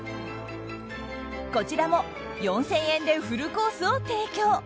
こちらも４０００円でフルコースを提供。